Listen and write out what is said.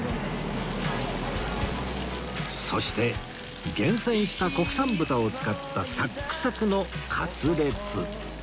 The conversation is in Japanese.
そして厳選した国産豚を使ったサックサクのカツレツ